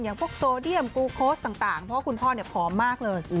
พวกโซเดียมกูโค้ชต่างเพราะว่าคุณพ่อผอมมากเลย